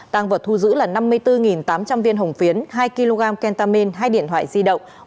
tăng vật thu giữ là năm mươi bốn tám trăm linh viên hồng phiến hai kg kentamin hai điện thoại di động